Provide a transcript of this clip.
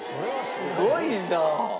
すごいな！